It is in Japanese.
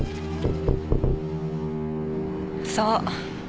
そう。